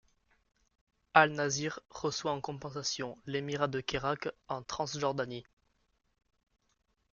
Al-Nasir reçoit en compensation l’émirat de Kérak, en Transjordanie.